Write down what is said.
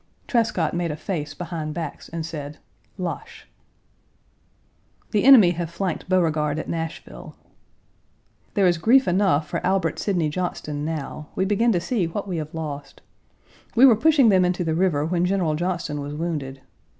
Trescott made a face behind backs, and said: " Lache!" The enemy have flanked Beauregard at Nashville. There is grief enough for Albert Sidney Johnston now; we begin to see what we have lost. We were pushing them into the river when General Johnston was wounded.